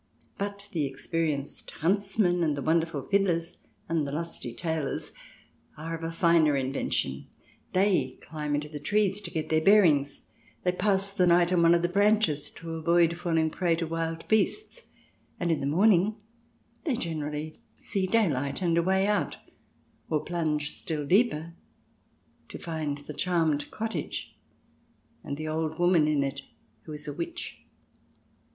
But the experienced huntsmen and the wonderful fiddlers and the lusty tailors are of a finer invention. They climb into trees to get their bearings ; they pass the night on one of the branches to avoid falling a prey to wild beasts, and in the morning they generally see daylight and a way out, or plunge still deeper to find the " charmed cottage," and the old woman in it who is a witch.